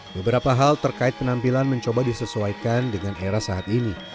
beberapa hal terkait penampilan mencoba disesuaikan dengan era saat ini